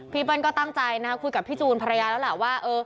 เปิ้ลก็ตั้งใจนะคุยกับพี่จูนภรรยาแล้วล่ะว่า